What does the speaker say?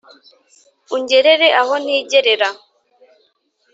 ungerere aho ntigerera